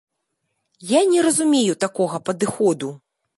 Я не разумею такога падыходу.